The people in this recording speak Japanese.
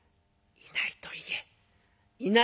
いないと言え」。